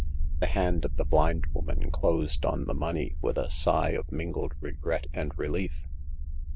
The hand of the blind woman closed on the money with a sigh of mingled regret and re lief.